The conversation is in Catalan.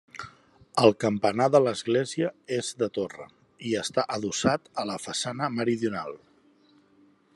El campanar de l'església és de torre, i està adossat a la façana meridional.